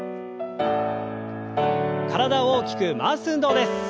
体を大きく回す運動です。